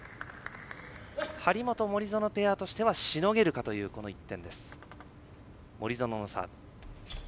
張本、森薗ペアとしてはしのげるかという、この１点。